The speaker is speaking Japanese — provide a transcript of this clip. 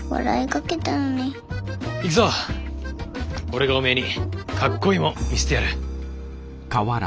俺がおめえにかっこいいもん見せてやる。